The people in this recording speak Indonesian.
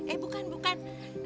eh bukan bukan